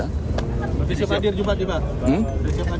berisik hadir jumat juga